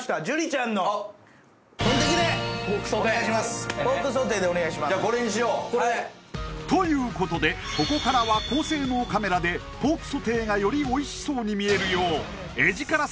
じゃあこれにしようということでここからは高性能カメラでポークソテーがよりおいしそうに見えるようエヂカラ